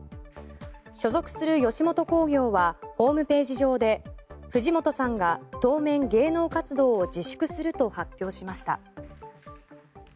所属する吉本興業はホームページ上で藤本さんが当面、芸能活動を自粛すると発表しました。